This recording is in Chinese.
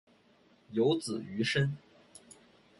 有子俞深。